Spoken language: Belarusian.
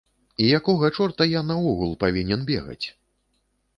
І якога чорта я наогул павінен бегаць?